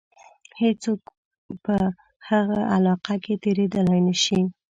هیڅوک په هغه علاقه کې تېرېدلای نه شي.